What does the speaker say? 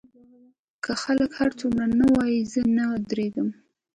که خلک هر څومره نه ووايي زه نه درېږم.